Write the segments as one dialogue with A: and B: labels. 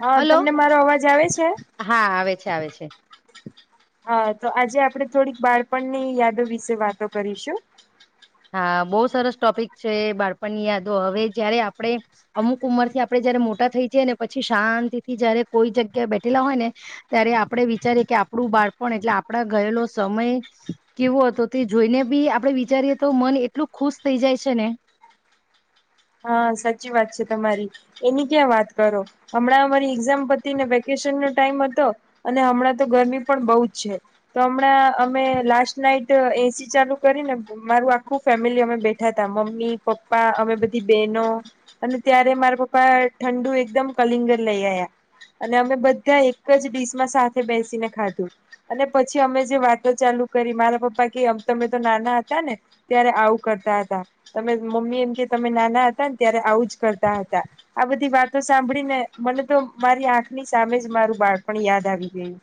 A: હા
B: હલો
A: તમને મારો અવાજ આવે છે?
B: હા આવે છે આવે છે
A: હા તો આજે આપણે થોડીક બાળપણની યાદો વિશે વાતો કરીશું.
B: હા બહુ સરસ ટોપિક છે બાળપણની યાદો હવે જયારે આપડે અમુક ઉંમર થી આપડે જયારે મોટા થઈ જઈએ ને પછી શાંતિ થી જયારે કોઈ જગ્યા બેઠેલા હોય ને ત્યારે આપડે વિચારીએ કે આપડુ બાળપણ એટલે આપડા ગયેલો સમય કેવો હતો તે જોઈને બી આપડે વિચારીએ તો મન એટલું ખુશ થઈ જાય છે ને.
A: હા સાચી વાત છે તમારી એની ક્યાં વાત કરો હમણાં અમારી એક્ઝામ પતી ને વેકેશન નો ટાઈમ હતો અને હમણાં તો ગરમી પણ બહુ જ છે તો હમણાં અમે લાસ્ટ નાઈટ એસી ચાલુ કરીને મારું આખું ફેમિલી અમે બેઠા ત મમ્મી પપ્પા અમે બ બેનો અને ત્યારે મારા પપ્પા ઠંડુ એકદમ કલિંગર લઈ આયા અને અમે બધા એક જ ડીશમાં સાથે બેસીને ખાધું અને પછી અમે જે વાતો ચાલુ કરી મારા પપ્પા કે તમે તો નાના હતા ને ત્યારે આવું કરતા હતા તમે મમ્મી એમ કે તમે નાના હતા ને ત્યારે આવુંજ કરતા હતા આ બધી વાતો સાંભળીને મને તો મારી આંખની સામે જ મારું બાળપણ યાદ આવી ગયું.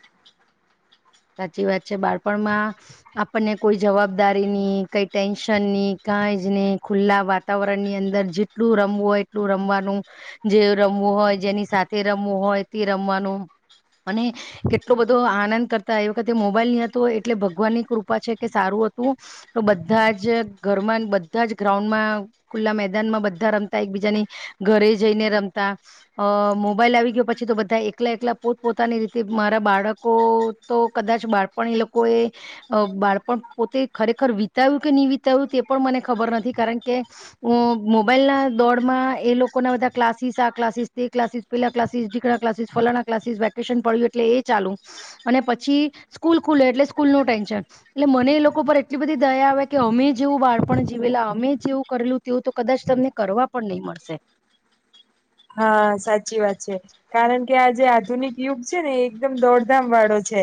B: સાચી વાત બાળપણમાં આપણને કોઈ જવાબદારીની કઈ ટેન્શનની કઈ જ નહી ખુલ્લા વાતાવરણની અંદર જેટલું રમવું હોય એટલું રમવાનું જે રમવું હોય જેની સાથે રમવું હોય તે રમવાનું અને કેટલો બધો આનંદ કર એ વખતે મોબાઈલ નહ હતો એટલે ભગવાન ની કૃપા છે કે સારું હતું તો બધા જ ઘરમાં બધા જ ગ્રાઉન્ડમાં ખુલ્લા મેદાનમાં બધા રમતા એક બીજાની ઘરે જઈને રમતા અ મોબાઈલ આવી ગયો પછી તો બધા એકલા એકલા પોત પોતાની રીતે મારા બાળકો તો કદાચ બાળપણ એ લોકોએ બાળપણ પોતે ખરેખર વિતાવ્યું કે ની વિતાવ્યું તે પણ મને ખબર નથી કારણ કે હું મોબાઈલના દોડમાં એ લોકોના બધા ક્લાસીસ આ ક્લાસીસ તે ક્લાસીસ પેલા ક્લાસીસ ઢીકડા ક્લાસીસ ફલાણા ક્લાસીસ વેકેશન પડ્યું એટલે એ ચાલુ. અને પછી સ્કૂલ ખુલે એટલે સ્કૂલ નું ટેન્શન એટલે મને એ લોકો પર એટલી બધી દયા આવે કે અમે જેવું બાળપણ જીવેલા અમે જેવું કરેલું તેવું તો કદાચ તમને કરવા પણ નહી મળશે.
A: હા સાચી વાત છે કારણ કે આ જે આધુનિક યુગ છે ને એ એકદમ દોડધામ વાળો છે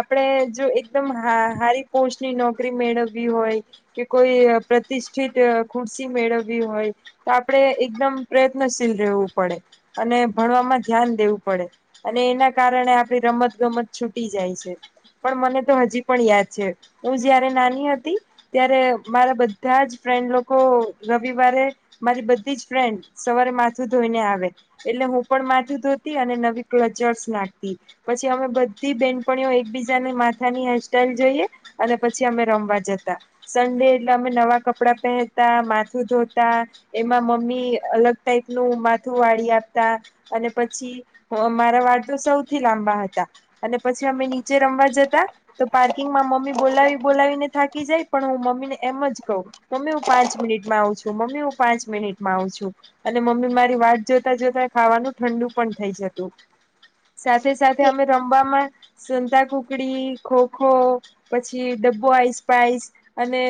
A: આપણેે જો એકદમ હ હારી પોસ્ટની નોકરી મેળવવી હોય કે કોઈ પ્રતિષ્ઠિત ખુરશી મેળવવી હોય તો આપણે એકદમ પ્રયત્નશીલ રહેવું પડે અને ભણવામાં ધ્યાન દેવું પડે અને એના કારણે આપડી રમત ગમત છૂટી જાય છે પણ મને તો હજી પણ યાદ છે હું જયારે નાની હતી ત્યારે મારા બધા જ ફ્રેન્ડ લોકો રવિવારે મારી બધી જ ફ્રેન્ડ સવારે માથું ધોઈને આવે એટલે હું પણ માથું ધોતી અને નવી ક્લચર્સ નાખતી પછી અમે બધી બેનપણીઓ એકબીજાની માથાની હેરસ્ટાઈલ જોઈએ અને પછી અમે રમવા જતા સન્ડે એટલે અમે નવા કપડા પહેરતા માથું ધોતા એમાં મમ્મી અલગ ટાઈપ નું માથું વાળી આપતા અને પછી મારા વાળ તો સૌથી લાંબા હતા અને પછી અમે નીચે રમવા જતા તો પાર્કિંગમાં મમ્મી બોલાવી બોલાવીને થાકી જાય પણ હું મમ્મીને એમ જ કહું મમ્મી હું પાંચ મિનિટમાં આવું છું મમ્મી હું પાંચ મિનિટમાં આવ છું. અને મમ્મી મારી વાત જોતા જોતા ખાવાનું ઠંડુ પણ થઈ જતું. સાથે સાથે
B: એ
A: અમે રમવામાં સંતા કુકડી ખોખો પછી ડબ્બો આઈસ પાઇસ અને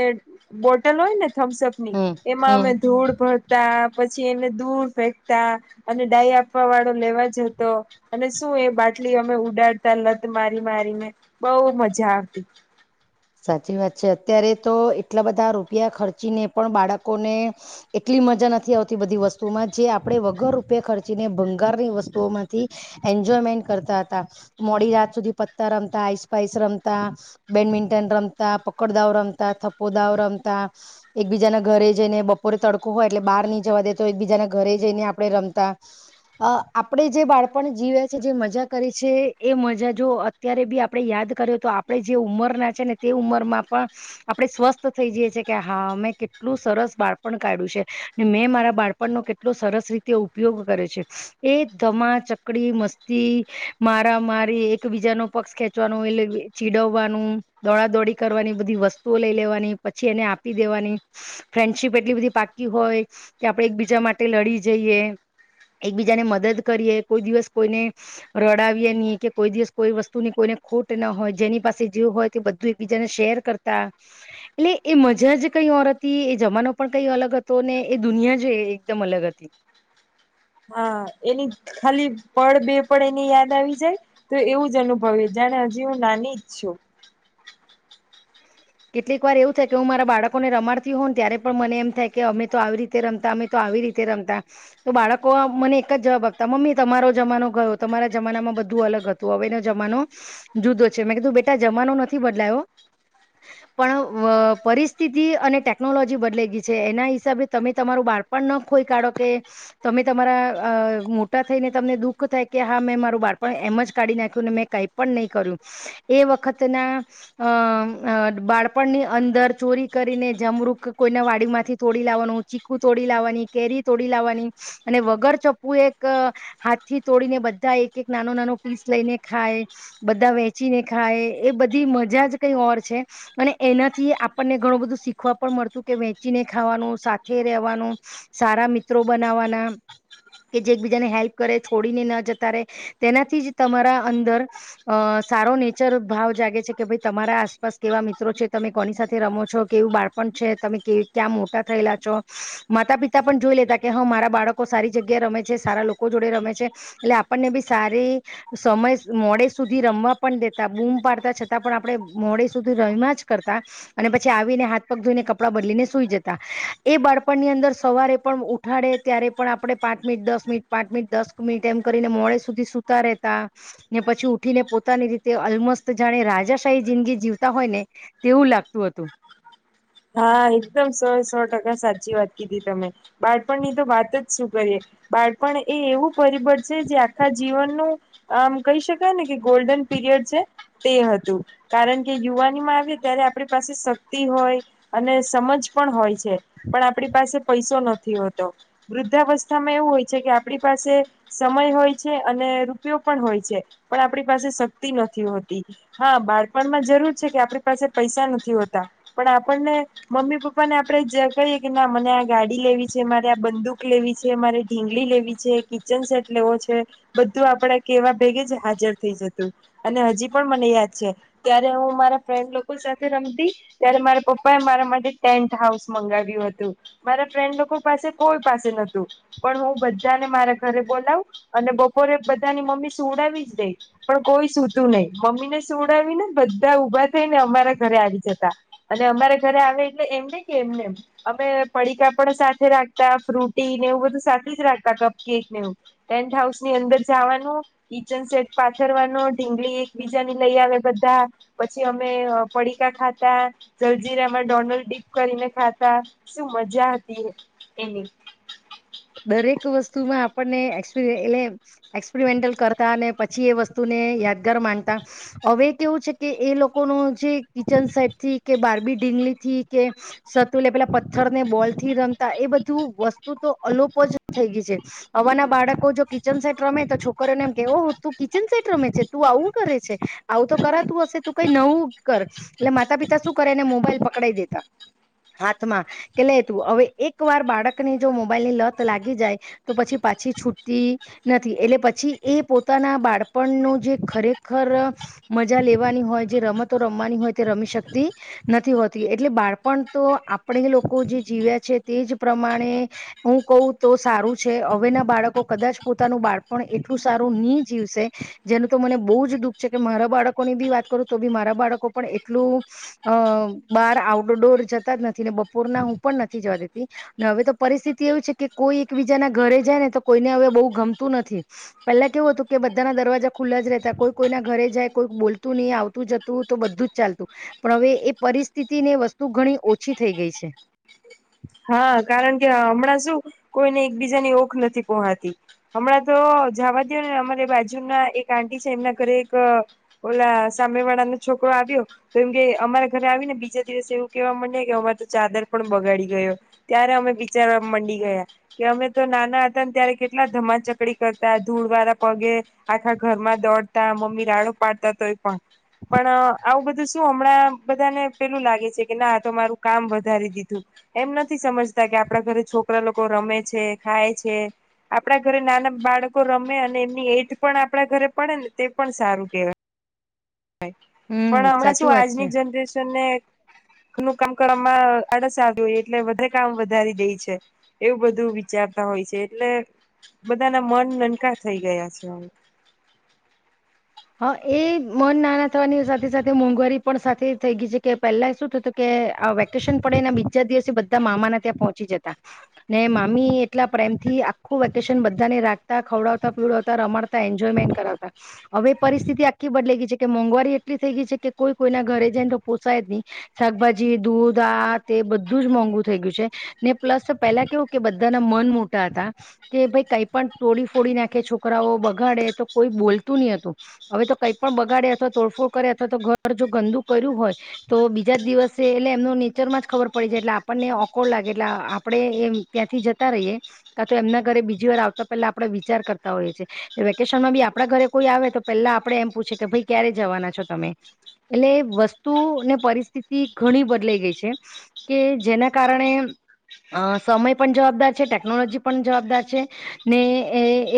A: બોટલ હોય ને થમ્સઅપની
B: હમ
A: એમાં
B: હમ
A: અમે ધૂળ ભરતા. પછી એને દૂર ફેંકતા અને ડાય આપવા વાળો લેવા જ હતો અને શું એ બાટલી અમે ઉડાડતા લત મારી મારીને બહુ મજા આવતી.
B: સાચી વાત છે અત્યારે તો એટલા બધા રૂપિયા ખર્ચીને પણ બાળકોને એટલી મજા નથી આવતી બધી વસ્તુમાં જે આપડણે વગર રૂપિયા ખર્ચીને ભંગારની વસ્તુઓ માંથી એન્જોયમેન્ટ કરતા હતા મોડી રાત સુધી પત્તા રમતા આઈસપાઈસ રમતા બેડમિન્ ટન રમતા પકડદાઓ રમતા થપોદાઓ રમતા એકબીજાના ઘરે જઈને બપોરે તડકો હોય એટલે બહાર નહી જવા દે તો એકબીજાના ઘરે જઈને આપડે રમતા અ આપડે જે બાળપણ જીવ્યા છે જે મજા કરી છે એ મજા જો અત્યારે બી આપણે યાદ કર્યો તો આપણે જે ઉંમરના ને તે ઉંમર માં પણ આપણેે સ્વસ્થ થઈ જઈ છી કે હા મેં કેટલું સરસ બાળપણ કાઢ્યું છે ને મેં મારા બાળપણનો કેટલો સરસ રીતે ઉપયોગ કર્યો છે એ ધમા ચકડી મસ્તી મારા મારી એકબીજા નો પક્ષ ખેંચવાનો એટલે ચીડવવાનું. દોડાદોડી કરવાની બધી વસ્તુઓ લઈ લેવાની પછી એને આપી દેવાની ફ્રેન્ડશીપ એટલી બધી પાકી હોય કે આપણેે એકબીજા માટે લડી જઈએ એકબીજાને મદદ કરીએ કોઈ દિવસ કોઈને રડાવીએ ની કે કોઈ દિવસ કોઈ વસ્તુની કોઈને ખુટ ના હોય જેની પાસે જે હોય કે બધું એકબીજાને શેર કરતા એટલે એ મજા જ કઈ ઓર હતી એ જમાનો પણ કઈ અલગ હતો ને એ દુનિયા જ એકદમ અલગ હતી.
A: હા એની ખાલી પળ બે પળ એની યાદ આવી જાય તો એવું જ અનુભવે જાણે હજી હું નાની જ છું.
B: કેટલીક વાર એવું થાય કે હું મારા બાળકોને રમાડતી હો ને ત્યારે પણ મને એમ થાય કે અમે તો આવી રીતે રમતા અમે તો આવી રીતે રમતા તો બાળકો મને એક જ જવાબ આપતા મમ્મી તમારો જમાનો ગયો તમારા જમાનામાં બધું અલગ હતું હવેનો જમાનો જુદો છે મેં કીધું બેટા જમાનો નથી બદલાયો. પણ પરિસ્થિતિ અને ટેકનોલોજી બદલાઈ ગઈ છે એના હિસાબે તમે તમારું બાળપણ ન ખોઈ કાઢો કે તમે તમારા મોટા થઈને તમને દુઃખ થાય કે હા મેં મારું બાળપણ એમ જ કાઢી નાખ્યું મેં કાંઈ પણ નહી કર્યું એ વખતના અ અ બાળપણની અંદર ચોરી કરીને જમરુક કોઈના વાડીમાંથી તોડી લાવવાનું, ચીકુ તોડી લાવવાની, કેરી તોડી લાવવાની, અને વગર ચપ્પુ એક હાથથી તોડીને બધા એક એક નાનો નાનો પીસ લઈને ખાય બધા વેચીને ખાય એ બધી મજા જ કઈ ઓર છે, અને એનાથી આપણને ઘણું બધું શીખવા પણ મળતું કે વેચીને ખાવાનું સાથે રહેવાનું, સારા મિત્રો બનાવાના કે જે એકબીજાને હેલ્પ કરે છોડીને ન જતા રહેે તેનાથી જ તમારા અંદર અ સારો નેચર ભાવ જાગે છે કે ભાઈ તમારા આસપ મિત્રો છે તમે કોની સાથે રમો છો, કેવું બાળપણ છે, તમે ક્યાં મોટા થયેલા છો, માતા પિતા પણ જોઈ લેતા કે હા મારા બાળકો સારી જગ્યા રમે છે, સારા લોકો જોડે રમે છે, એટલે આપણને બી સારી સમય મોડે સુધી રમવા પણ દેતા બૂમ પાડતા છતાં પણ આપડે મોડે રમ્યા જ કરતા અને પછી આવીને હાથ પગ ધોઈને કપડાં બદલીને સુઈ જતા એ બાળપણની અંદર સવારે પણ ઉઠાડે ત્યારે પણ આપણે પાંચ મિનિટ, દસ મિનિટ, પાંચ મિનિટ, દસ મિનિટ એમ કરીને મોડે સુધી સુતા રહેેતા ને પછી ઉઠીને પોતાની રીતે અલમસ્ત જાણે રાજાશાહી જિંદગી જીવ હોય ને, તેવું લાગતું હતું
A: હા, એકદમ સો, સો ટકા સાચી વાત કીધી તમે બાળપણની તો વાત જ શું કરીએ બાળપણ એ એવું પરિબળ છે, જે આખા જીવનનું આમ કહી શકાય ને કે ગોલ્ડન પીરિયડ છે, તે હતું કારણ કે યુવાનીમાં આવે ત્યારે આપણી પાસે શક્તિ હોય અને સમજ પણ હોય છે, પણ આપણી પાસે પૈસો નથી હોતો, વૃદ્ધાવસ્થામાં એવું હોય છે કે આપણી પાસે સમય હોય છે, અને રૂપિયો પણ હોય છે, પણ આપણી પાસે શક્તિ નથી હોતી, હા બાળપણમાં જરૂર છે કે આપણી પાસે પૈસા નથી હોતા પણ આપણને મમ્મી પપ્પા ને આપડે જે કહીએ કે ના મને આ ગાડી લેવી છે, મારે આ બંદૂક લેવી છે, મારે ઢીંગલી લેવી છે, કિચન સેટ લેવો છે, બધું આપડે કેવા ભેગે જ હાજર થઈ જતું અને હજી પણ મને યાદ છે ત્યારે હું મારા ફ્રેન્ડ લોકો સાથે રમતી ત્યારે મારા પપ્પા મારા માટે ટેન્ટ હાઉસ મંગાવ્યું હતું, મારા ફ્રેન્ડ લોકો પાસે કોઈ પાસે નતું પણ હું બધાને મારા ઘરે બોલાવ અને બપોરે બધાની મમ્મી સુવડાવી જ દઈ પણ કોઈ સુતું નહી, મમ્મી ને સુવડાવીને બધા ઉભા થઈને અમારા ઘરે આવી જતા અને અમારા આવે એટલે એમને કે એમને એમ અમે પડીકા પણ સાથે રાખતા, ફ્રુટી ને એવું બધું સાથે જ રાખતા, કપ કેક ને એવું ટેન્ટ હાઉસ ની અંદર જવાનું, કિચન સેટ પાથરવાનું, ઢીંગલી એકબીજાની લઈ આવે બધા પછી, અમે પડીકા ખાતા જલ્દી જીરામાં ડોનલ્ ડીપ કરીને ખાતા શું મજા હતી એની
B: દરેક વસ્તુમાં આપણને એપ એટલે એક્સપેરિમેન્ટલ કરતા અને પછી એ વસ્તુને યાદગાર માનતા હવે કેવું છે કે એ લોકોનું જે કિચન સેટ થી કે બારબી ઢીંગલી થી કે સતુલે પેલા પથ્થર ને બોલ થી રમતા એ બધું વસ્તુ તો અલોપો જ થઈ ગઈ છે, આવાના બાળકો જો કિચન સેટ રમે તો છોકરીઓને એમ કેવો તું કિચન સેટ રમે છે! તું આવું કરે છે! આવું તો કરાતું હશે તું કઈ નવું કર એટલે માતા પિતા શું કરેને મોબાઈલ પકડાઈ દેતા હાથમાં કે લે તું હવે એક વાર બાળકને જો મોબાઈલની લત લાગી જાય તો પછી પાછી છૂટતી નથી, એટલે પછી એ પોતાના બાળપણનું જે ખરેખર મજા લેવાની હોય જે રમતો રમવાની હોય તે રમી શકતી નથી, હોતી એટલે બાળપણ તો આપણે લોકો જે જીવ્યા છે તે જ પ્રમાણે હું કઉ તો સારું છે હવેના બાળકો કદાચ પોતાનું બાળપણ એટલું સારું ની જીવશે જેનું તો મને બહુ જ દુઃખ છે કે મારા બાળકોની બી વાત કરું તો બી મારા બાળકો પણ એટલું અ બહાર આઉટડોર જતા જ નથી ને બપોરના હું પણ નથી જવા દેતી ને હવે તો પરિસ્થિતિ એવું છે કે કોઈ એકબીજાના ઘરે જાય ને તો કોઈને હવે બહુ ગમતું નથી, પહેલા કેવું હતું કે બધાના દરવાજા ખુલ્લા જ રેતા કોઈ કોઈના ઘરે જાય કોઈ બોલતું નહી આવતું જતું તો બધું જ ચાલતું પણ હવે એ પરિસ્થિતિને વસ્તુ ઘણી ઓછી થઈ ગઈ છે
A: હા, કારણ કે હમણાં શું કોઈને એકબીજાની ઓખ નથી પોહાતી, હમણાં તો જવા દો ને અમારે બાજુ ના એક આંટી છે એમના ઘરે એક ઓલા સામે વાળાનો છોકરો આવ્યો તો એમ કે અમારા ઘરે આવી ને બીજા દિવસે એવું કેવા માંડ્યા કે અમારે તો ચાદર પણ બગાડી ગયો ત્યારે અમે વિચારવા મંડી ગયા કે અમે તો નાના હતા ને ત્યારે કેટલા ધમાચકડી કરતા ધૂળવાળા પગે આખા ઘરમાં દોડતા, મમ્મી રાાડો પાડતા તોય પણ પણ આવું બધું શું હમણાં બધાને પેલું લાગે છે કે ના તો મારું કામ વધારી દીધું એમ નથી સમજતા કે આપણા ઘરે છોકરા લોકો રમે છે, ખાય છે, આપણા ઘરે નાના બાળકો રમે અને એમની એઠ પણ આપણા ઘરે પડે ને તે પણ સારું કેહેવાય
B: હમ
A: પણ હમણાં
B: સાચું
A: શું
B: વાત છે
A: આજની જનરેશન ને ઘ નું કામ કરવામાં આડસ આવ હોય એટલે વધારે કામ વધારી દે છે, એવું બધું વિચારતા હોય છે, એટલે બધાના મન નાનકા થઈ ગયા છે
B: હા, એ મન નાના થવાની સાથે સાથે મોંઘવારી પણ સાથે થઈ ગઈ છે, કે પહેલા શું થતું કે વેકેશન પડેને બીજા દિવસે બધા મામાના ત્યાં પહોંચી જતા ને મામી એટલા પ્રેમ થી આખું વેકેશન બધાને રાખતા, ખવડાવતા, પીવડાવતા, રમાડતા, એન્જોયમેન્ટ, કરાવતા હવે પરિસ્થિતિ આખી બદલાઈ ગઈ છે, કે મોંઘવારી એટલી થઈ ગઈ છે, કે કોઈ કોઈના ઘરે જઈને તો પોસાય જ નહી, શાકભાજી, દૂધ, આ તે એ બધું જ મોંઘું થઈ ગયું છે ને પ્લસ પેલા કેવું કે બધાના મન મોટા હતા કે ભાઈ કઈ પણ તોડી ફોડી નાખે છોકરાઓ બગાડે તો કોઈ બોલતું ની હતું હવે તો કઈ પણ બગાડે અથવા તોડફોડ કરે અથવા તો ઘર જો ગંદુ કર્યું હોય તો બીજા જ દિવસે એટલે એમનું નેચરમાં જ ખબર પડી જાય એટલે આપણને ઓકોળ લાગે એટલે આપડે એમ ત્યાંથી જતા રહીએ કા તો એમના ઘરે બીજી વાર આવતા પેલા આપણે વિચાર કરતા હોઈએ છીએ વેકેશનમાં બી આપણા ઘરે કોઈ આવે તો પહેલા આપણે એમ પૂછે કે ભાઈ ક્યારે જવાના છો તમે? એટલે વસ્તુ ને પરિસ્થિતિ ઘણી બદલાઈ ગઈ છે કે જેના કારણે સમય પણ જવાબદાર છે, ટેકનોલોજી પણ જવાબદાર છે, ને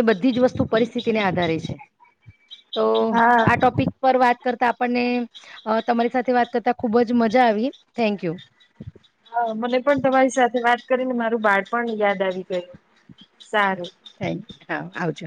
B: એ બધી જ વસ્તુ પરિસ્થિતિને આધારે છે તો આ
A: હા
B: ટોપિક પર વાત કરતા આપણને તમારી સાથે વાત કરતા ખુબ જ મજા આવી થેન્ક યુ
A: હા મને પણ તમારી સાથે વાત કરીને મારું બાળ પણ યાદ આવી ગયું સારું
B: થેક યુ હા આવજો